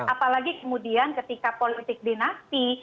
apalagi kemudian ketika politik dinasti